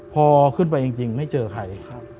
พอขึ้นไปจริงไม่เจอใคร